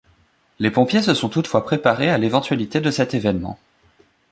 Les pompiers se sont toutefois préparés à l'éventualité de cet événement.